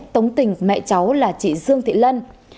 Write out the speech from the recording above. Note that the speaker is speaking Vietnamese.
tống tình mẹ cháu là chị dương thị lân